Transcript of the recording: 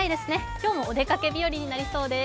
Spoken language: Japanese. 今日もお出かけ日和になりそうです。